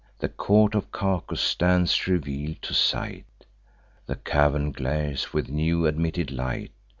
The court of Cacus stands reveal'd to sight; The cavern glares with new admitted light.